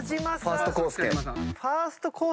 ファースト康介。